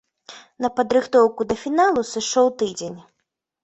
На падрыхтоўку да фіналу сышоў тыдзень.